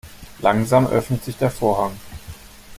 Langsam öffnet sich der Vorhang.